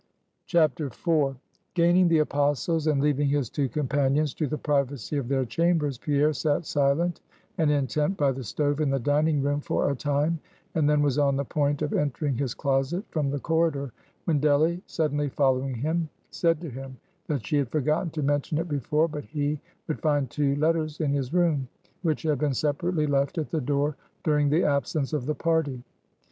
IV. Gaining the Apostles', and leaving his two companions to the privacy of their chambers, Pierre sat silent and intent by the stove in the dining room for a time, and then was on the point of entering his closet from the corridor, when Delly, suddenly following him, said to him, that she had forgotten to mention it before, but he would find two letters in his room, which had been separately left at the door during the absence of the party.